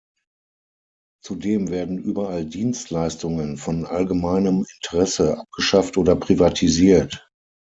Zudem werden überall Dienstleistungen von allgemeinem Interesse abgeschafft oder privatisiert.